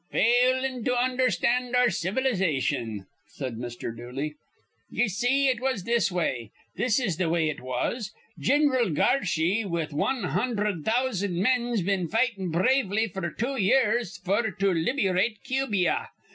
"Failin' to undherstand our civilization," said Mr. Dooley. "Ye see, it was this way. This is th' way it was: Gin'ral Garshy with wan hundherd thousan' men's been fightin' bravely f'r two years f'r to liberyate Cubia.